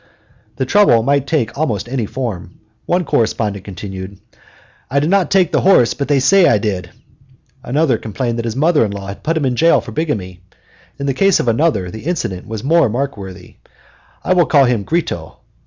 The trouble might take almost any form. One correspondent continued: "I did not take the horse, but they say I did." Another complained that his mother in law had put him in jail for bigamy. In the case of another the incident was more markworthy. I will call him Gritto.